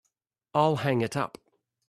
I'll hang it up.